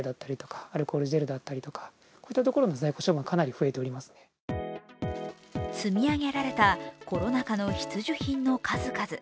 更に積み上げられたコロナ禍の必需品の数々。